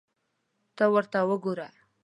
ته ورته وګوره !